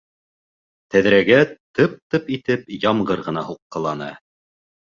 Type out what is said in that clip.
Тәҙрәгә тып-тып итеп ямғыр ғына һуҡҡыланы.